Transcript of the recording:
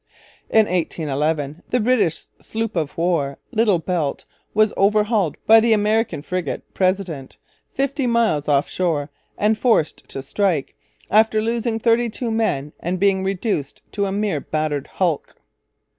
In 1811 the British sloop of war Little Belt was overhauled by the American frigate President fifty miles off shore and forced to strike, after losing thirty two men and being reduced to a mere battered hulk.